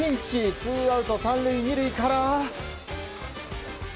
ツーアウト３塁２塁から。